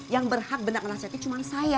yang berhak benda anak saya itu cuma saya